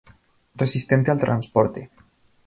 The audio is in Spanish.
Resistente al transporte.